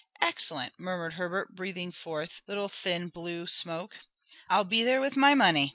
"Excellent," murmured Herbert, breathing forth a little thin blue smoke. "I'll be there with my money.